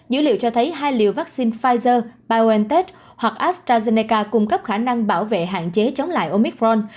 dữ liệu cho thấy hai liều vaccine pfizer biontech hoặc astrazeneca cung cấp khả năng bảo vệ hạn chế chống lại omicron